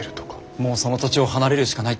もうその土地を離れるしかないってことか。